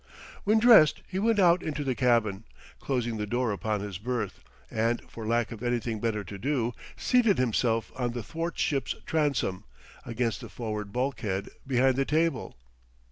When dressed he went out into the cabin, closing the door upon his berth, and for lack of anything better to do, seated himself on the thwartships transom, against the forward bulkhead, behind the table.